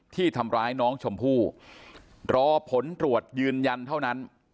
ที่ทำร้ายน้องชมพู่รอผลตรวจยืนยันเท่านั้น